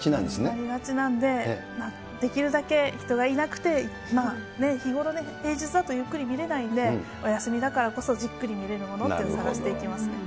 なりがちなんで、できるだけ人がいなくて、日頃ね、平日だとゆっくり見れないんで、お休みだからこそじっくり見れるものというのを探して行きますね。